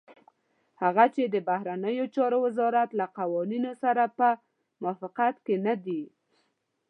هغه چې د بهرنيو چارو وزارت له قوانينو سره په موافقت کې نه دي.